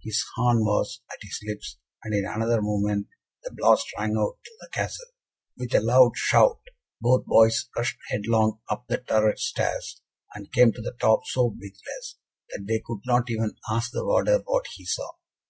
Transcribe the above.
His horn was at his lips, and in another moment, the blast rang out through the Castle. With a loud shout, both boys rushed headlong up the turret stairs, and came to the top so breathless, that they could not even ask the warder what he saw.